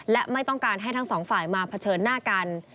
และไม่ต้องการให้ทั้งสองฝ่ายมาเผชิญหน้ากัน